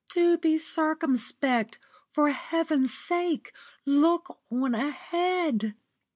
Do be circumspect; for Heaven's sake, look on ahead."